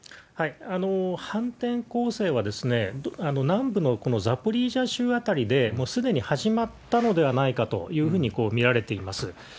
反転攻勢は、南部のザポリージャ州辺りで、もうすでに始まったのではないかというふうに見られています。